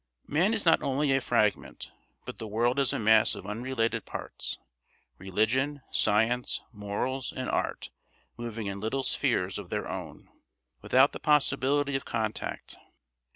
Man is not only a fragment, but the world is a mass of unrelated parts; religion, science, morals, and art moving in little spheres of their own, without the possibility of contact.